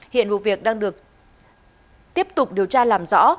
hiện vụ việc đang được tiếp tục điều tra làm rõ